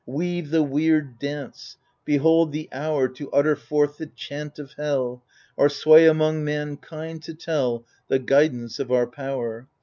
Weave the weird dance, — ^behold the hour To utter forth the chant of hell, Our sway among mankind to tell, The guidance of our power.